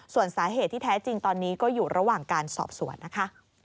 ส่วนสาเหตุที่แท้จริงตอนนี้ก็อยู่ระหว่างการสอบสวนนะคะ